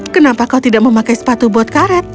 kenapa kau tidak memakai sepatu buat karet